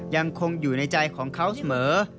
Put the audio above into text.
ยังคงอยู่ในใจของเขาเสมอ